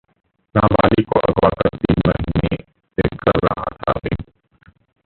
नाबालिग को अगवा कर तीन महीने से कर रहा था रेप